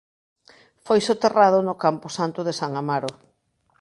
Foi soterrado no camposanto de San Amaro.